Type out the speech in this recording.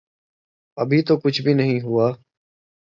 ابھی تو کچھ بھی نہیں ہوا۔